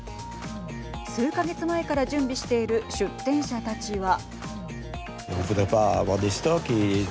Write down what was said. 数か月前から準備している出店者たちは。